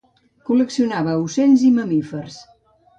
Col·leccionava ocells i mamífers.